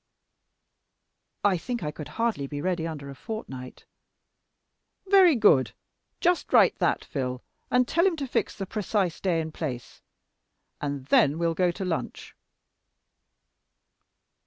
"I think I could hardly be ready under a fortnight." "Very good. Just write that, Phil, and tell him to fix the precise day and place. And then we'll go to lunch."